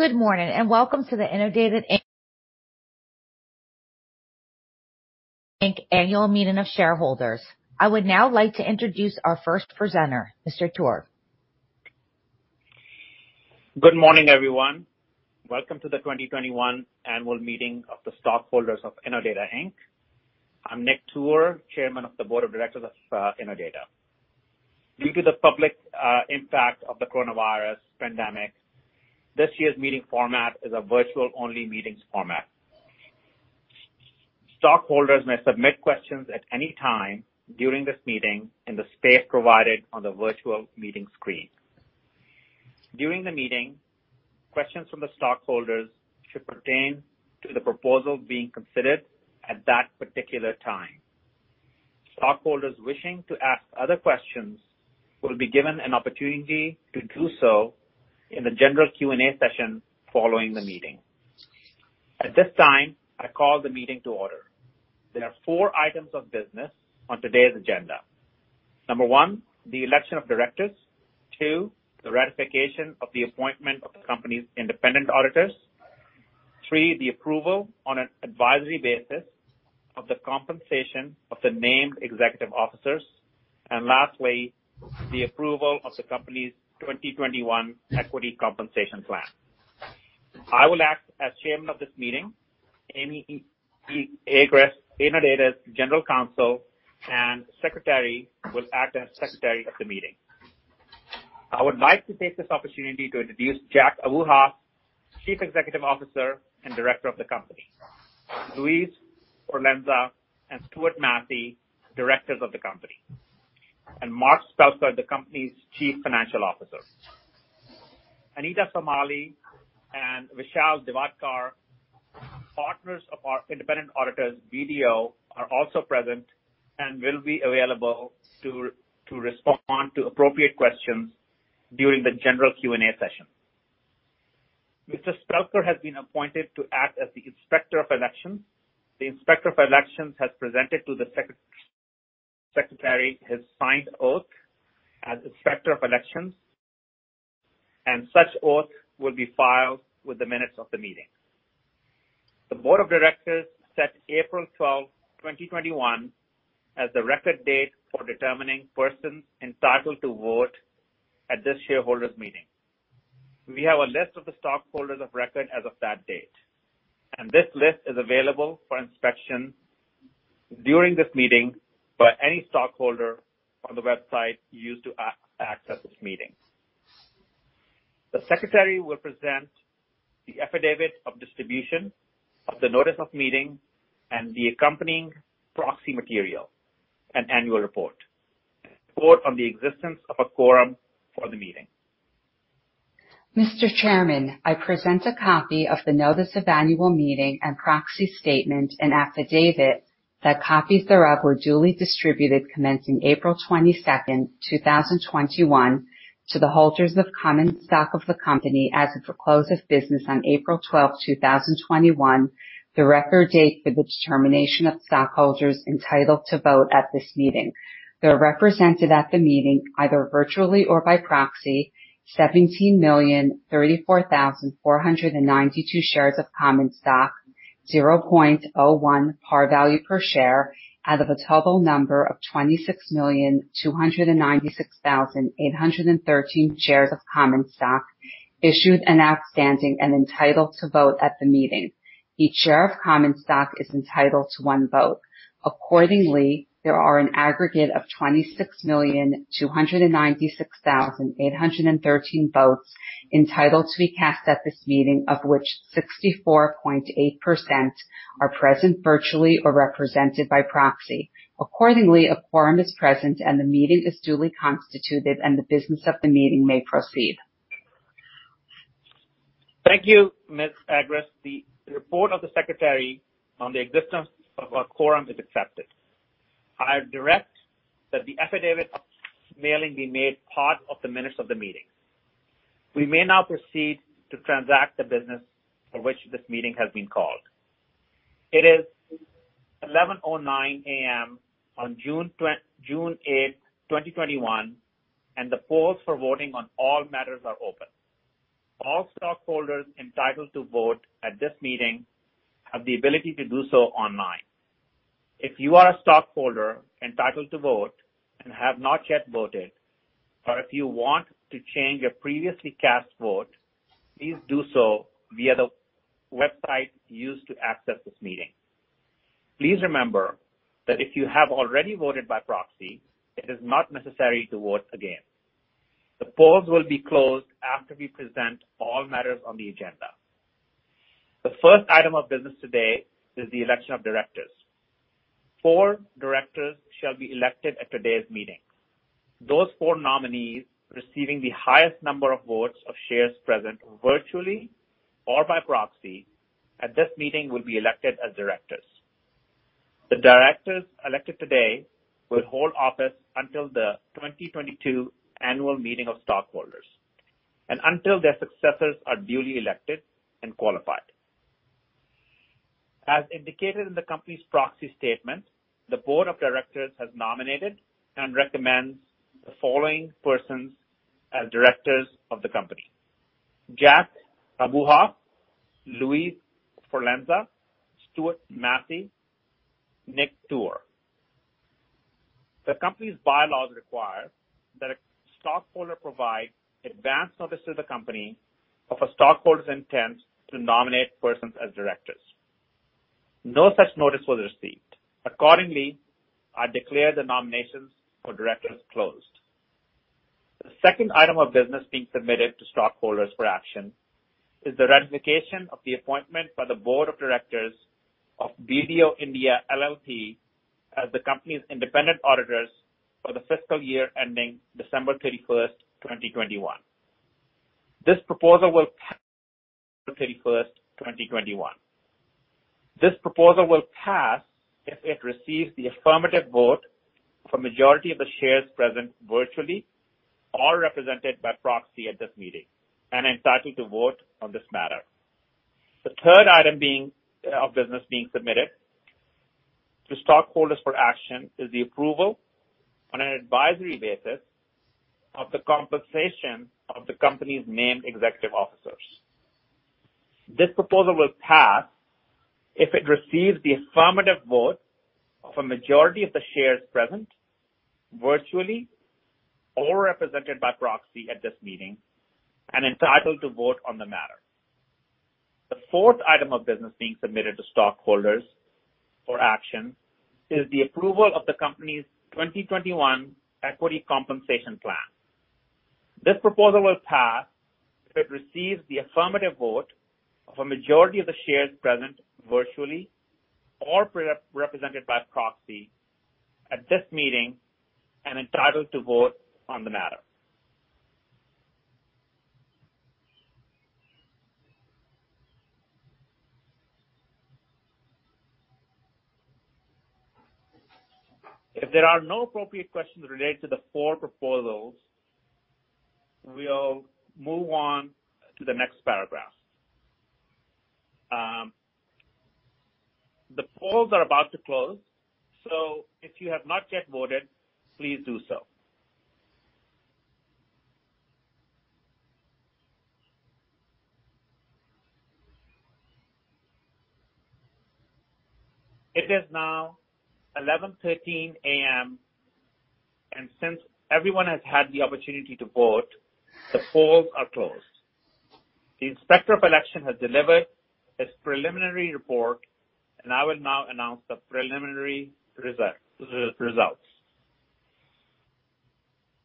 Good morning, and welcome to the Innodata Inc. annual meeting of shareholders. I would now like to introduce our first presenter, Mr. Toor. Good morning, everyone. Welcome to the 2021 annual meeting of the stockholders of Innodata Inc. I'm Nick Toor, Chairman of the Board of Directors for Innodata. Due to the public impact of the coronavirus pandemic, this year's meeting format is a virtual-only meetings format. Stockholders may submit questions at any time during this meeting in the space provided on the virtual meeting screen. During the meeting, questions from the stockholders should pertain to the proposal being considered at that particular time. Stockholders wishing to ask other questions will be given an opportunity to do so in the general Q&A session following the meeting. At this time, I call the meeting to order. There are four items of business on today's agenda. Number one, the election of directors. Two, the ratification of the appointment of the company's independent auditors. Three, the approval on an advisory basis of the compensation of the named executive officers. Lastly, the approval of the company's 2021 equity compensation plan. I will act as chairman of this meeting. Amy Agress, Innodata's general counsel and secretary, will act as secretary of the meeting. I would like to take this opportunity to introduce Jack Abuhoff, Chief Executive Officer and Director of the company. Louise Forlenza and Stewart Massey, directors of the company. Mark Spelker, the company's Chief Financial Officer. Anita Somani and Vishal Divate, partners of our independent auditors, BDO, are also present and will be available to respond to appropriate questions during the general Q&A session. Mr. Spelker has been appointed to act as the Inspector of Elections. The Inspector of Elections has presented to the Secretary his signed oath as Inspector of Elections, and such oath will be filed with the minutes of the meeting. The board of directors set April 12, 2021, as the record date for determining persons entitled to vote at this shareholders' meeting. We have a list of the stockholders of record as of that date, and this list is available for inspection during this meeting by any stockholder on the website used to access this meeting. The Secretary will present the affidavit of distribution of the notice of meeting and the accompanying proxy material and annual report. Report on the existence of a quorum for the meeting. Mr. Chairman, I present a copy of the notice of annual meeting and proxy statement and affidavit that copies thereof were duly distributed commencing April 22nd, 2021, to the holders of common stock of the company as of the close of business on April 12, 2021, the record date for the determination of stockholders entitled to vote at this meeting. There are represented at the meeting, either virtually or by proxy, 17,034,492 shares of common stock, $0.01 par value per share out of a total number of 26,296,813 shares of common stock issued and outstanding and entitled to vote at the meeting. Each share of common stock is entitled to one vote. Accordingly, there are an aggregate of 26,296,813 votes entitled to be cast at this meeting, of which 64.8% are present virtually or represented by proxy. Accordingly, a quorum is present and the meeting is duly constituted and the business of the meeting may proceed. Thank you, Ms. Agress. The report of the secretary on the existence of a quorum is accepted. I direct that the affidavit of mailing be made part of the minutes of the meeting. We may now proceed to transact the business for which this meeting has been called. It is 11:09 A.M. on June 8th, 2021, and the polls for voting on all matters are open. All stockholders entitled to vote at this meeting have the ability to do so online. If you are a stockholder entitled to vote and have not yet voted, or if you want to change a previously cast vote, please do so via the website used to access this meeting. Please remember that if you have already voted by proxy, it is not necessary to vote again. The polls will be closed after we present all matters on the agenda. The first item of business today is the election of directors. four directors shall be elected at today's meeting. Those four nominees receiving the highest number of votes of shares present virtually or by proxy at this meeting will be elected as directors. The directors elected today will hold office until the 2022 annual meeting of stockholders and until their successors are duly elected and qualified. As indicated in the company's proxy statement, the board of directors has nominated and recommends the following persons as directors of the company: Jack Abuhoff, Louise C. Forlenza, Stewart Massey, Nick Toor. The company's bylaws require that a stockholder provide advance notice to the company of a stockholder's intent to nominate persons as directors. No such notice was received. Accordingly, I declare the nominations for directors closed. The second item of business being submitted to stockholders for action is the ratification of the appointment by the Board of Directors of BDO India LLP as the company's independent auditors for the fiscal year ending December 31st, 2021. This proposal will pass if it receives the affirmative vote from a majority of the shares present virtually or represented by proxy at this meeting and entitled to vote on this matter. The third item of business being submitted to stockholders for action is the approval on an advisory basis of the compensation of the company's named executive officers. This proposal will pass if it receives the affirmative vote of a majority of the shares present virtually or represented by proxy at this meeting and entitled to vote on the matter. The fourth item of business being submitted to stockholders for action is the approval of the company's 2021 equity compensation plan. This proposal will pass if it receives the affirmative vote of a majority of the shares present virtually or represented by proxy at this meeting and entitled to vote on the matter. If there are no appropriate questions related to the four proposals, we will move on to the next paragraph. The polls are about to close, so if you have not yet voted, please do so. It is now 11:13 A.M., and since everyone has had the opportunity to vote, the polls are closed. The Inspector of Election has delivered his preliminary report, and I will now announce the preliminary results.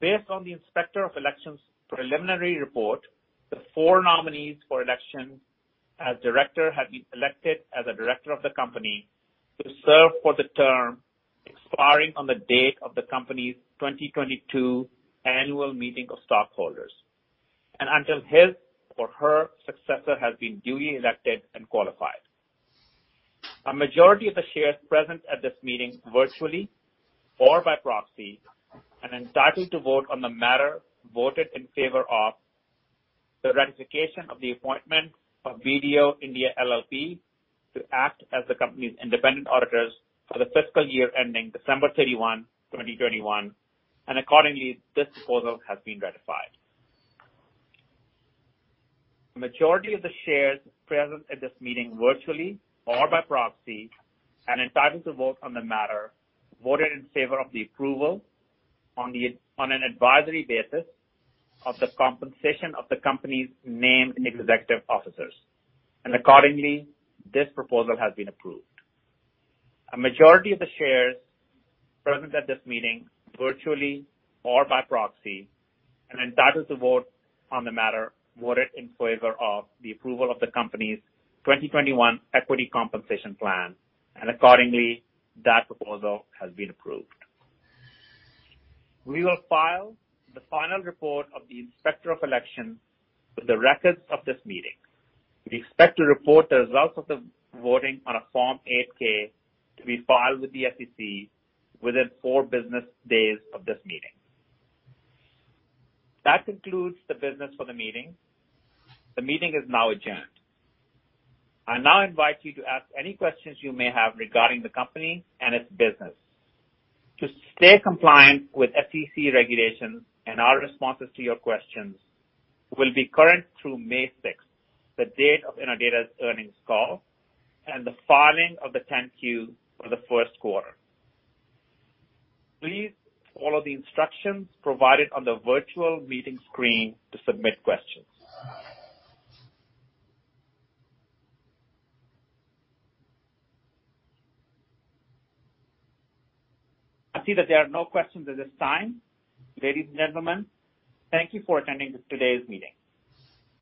Based on the Inspector of Election's preliminary report, the four nominees for election as director have been elected as a director of the company to serve for the term expiring on the date of the company's 2022 annual meeting of stockholders and until his or her successor has been duly elected and qualified. A majority of the shares present at this meeting virtually or by proxy and entitled to vote on the matter voted in favor of the ratification of the appointment of BDO India LLP to act as the company's independent auditors for the fiscal year ending December 31, 2021, and accordingly, this proposal has been ratified. A majority of the shares present at this meeting virtually or by proxy and entitled to vote on the matter voted in favor of the approval on an advisory basis of the compensation of the company's named executive officers, and accordingly, this proposal has been approved. A majority of the shares present at this meeting virtually or by proxy and entitled to vote on the matter voted in favor of the approval of the company's 2021 equity compensation plan, and accordingly, that proposal has been approved. We will file the final report of the Inspector of Election with the records of this meeting. We expect to report the results of the voting on a Form 8-K to be filed with the SEC within four business days of this meeting. That concludes the business for the meeting. The meeting is now adjourned. I now invite you to ask any questions you may have regarding the company and its business. To stay compliant with SEC regulations and our responses to your questions will be current through May 6th, the date of Innodata's earnings call and the filing of the 10-Q for the first quarter. Please follow the instructions provided on the virtual meeting screen to submit questions. I see that there are no questions at this time. Ladies and gentlemen, thank you for attending today's meeting.